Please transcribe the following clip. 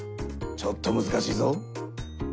ちょっとむずかしいぞ。